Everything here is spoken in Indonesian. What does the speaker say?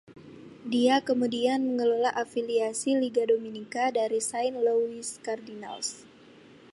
Dia kemudian mengelola afiliasi Liga Dominika dari Saint Louis Cardinals.